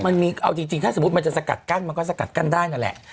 มันมีเอาจริงถ้าสมมุติมันจะสกัดกั้นมันก็สกัดกั้นได้นั่นแหละ